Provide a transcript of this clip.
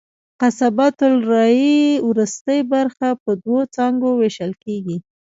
قصبة الریې وروستۍ برخه په دوو څانګو وېشل کېږي.